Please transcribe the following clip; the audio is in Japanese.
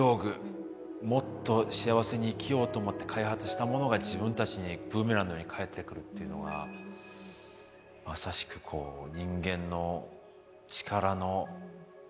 もっと幸せに生きようと思って開発したものが自分たちにブーメランのように返ってくるっていうのがまさしくこう人間の力のもろ刃の剣っていうんですかね。